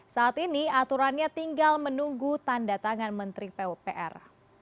saat ini aturannya tinggal menunggu tanda tangan menteri pupr